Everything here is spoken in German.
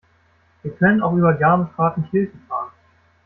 Wir können auch über Garmisch-Partenkirchen fahren.